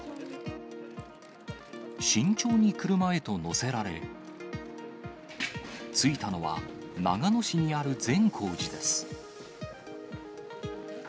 慎重に車へと乗せられ、着いたのは、長野市にある善光寺です。